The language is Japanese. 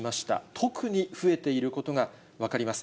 特に増えていることが分かります。